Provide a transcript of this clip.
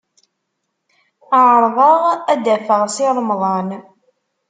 Ɛerḍeɣ ad d-afeɣ Si Remḍan.